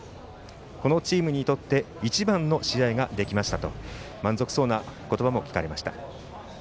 このチームにとって一番の試合ができましたと満足そうな言葉も聞かれました。